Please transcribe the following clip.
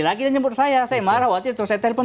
dia nyebut saya saya marah waktu itu saya telpon